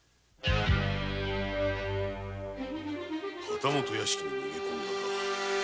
旗本屋敷に逃げ込んだか？